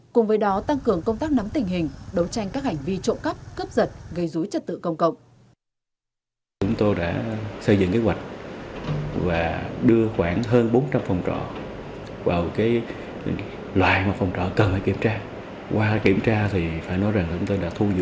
cùng với đó tăng cường công tác nắm tình hình đấu tranh các hành vi trộm cắp cướp giật gây dối trật tự công cộng